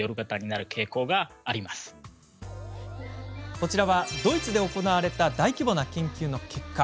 こちらは、ドイツで行われた大規模な研究の結果。